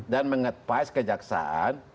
dan mengadvise kejaksaan